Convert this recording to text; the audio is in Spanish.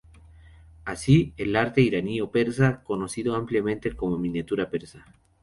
Así, el arte iraní o persa, conocido ampliamente como miniatura persa.